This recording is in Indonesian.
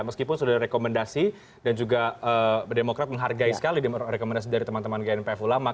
meskipun sudah rekomendasi dan juga demokrat menghargai sekali rekomendasi dari teman teman gnpf ulama